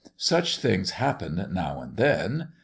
Such things happen now and then.